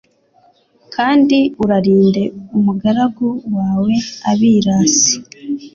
Kandi urarinde umugaragu wawe abirasi